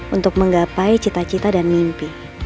untuk menggapai cita cita dan mimpi